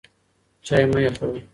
چای مه یخوئ.